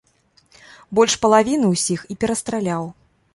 Больш палавіны ўсіх і перастраляў.